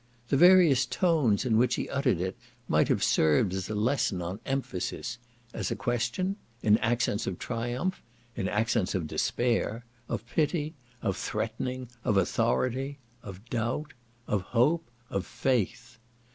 The various tones in which he uttered it might have served as a lesson on emphasis; as a question—in accents of triumph—in accents of despair—of pity—of threatening—of authority—of doubt—of hope—of faith.